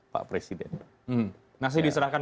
pak presiden masih diserahkan